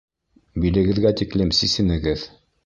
Билегеҙгә тиклем сисенегеҙ.